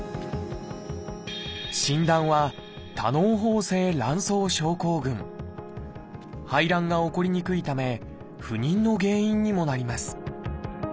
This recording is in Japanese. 診断は排卵が起こりにくいため不妊の原因にもなります